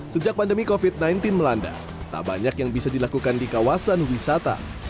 sejak pandemi covid sembilan belas melanda tak banyak yang bisa dilakukan di kawasan wisata